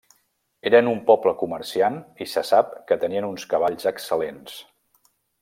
Eren un poble comerciant i se sap que tenien uns cavalls excel·lents.